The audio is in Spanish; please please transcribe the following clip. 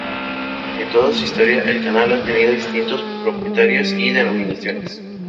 En toda su historia, el canal ha tenido distintos propietarios y denominaciones.